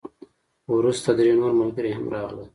وروسته درې نور ملګري هم راغلل.